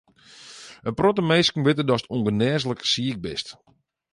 In protte minsken witte datst ûngenêslik siik bist.